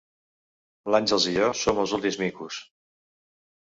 L'Àngels i jo som els últims micos!